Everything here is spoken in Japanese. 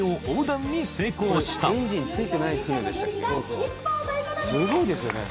すごいですよね。